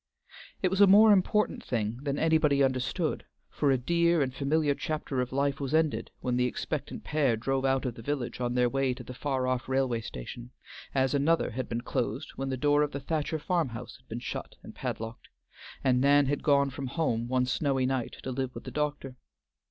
It was a more important thing than anybody understood, for a dear and familiar chapter of life was ended when the expectant pair drove out of the village on their way to the far off railway station, as another had been closed when the door of the Thacher farm house had been shut and padlocked, and Nan had gone home one snowy night to live with the doctor.